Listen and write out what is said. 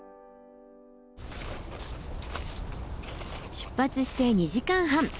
出発して２時間半。